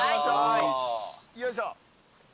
よいしょ。